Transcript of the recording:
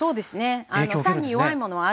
酸に弱いものはあるんですよ。